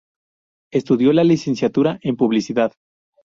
Estudió la licenciatura en publicidad.